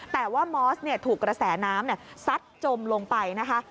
แต่ว่ามอสถูกกระแสน้ำซัดจมลงไปนะคะ